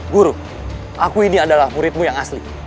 guru aku ini adalah muridmu yang asli